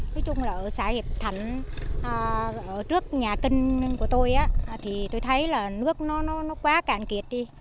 nói chung là ở xã hiệp thạnh ở trước nhà kinh của tôi thì tôi thấy là nước nó quá cạn kiệt đi